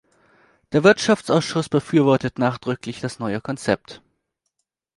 Der Wirtschaftsausschuss befürwortet nachdrücklich das neue Konzept.